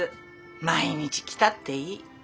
毎日来たっていい。